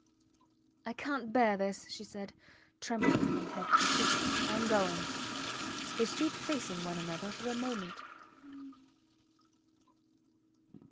I cant bear this, she said, trembling from head to foot. I am going. They stood facing one another for a moment.